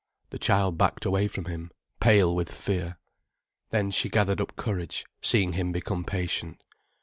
The child backed away from him, pale with fear. Then she gathered up courage, seeing him become patient.